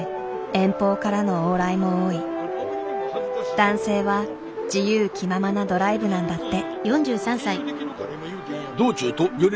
男性は自由気ままなドライブなんだって。